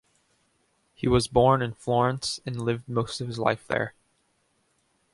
He was born in Florence and lived most of his life there.